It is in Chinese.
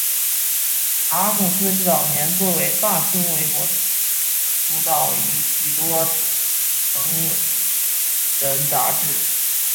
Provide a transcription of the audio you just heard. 查姆斯早年作为大胸围模特出道于许多成人杂志。